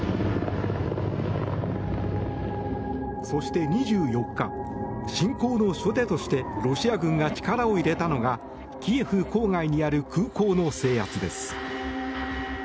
そして２４日、侵攻の初手としてロシア軍が力を入れたのがキエフ郊外にある空港の制圧です。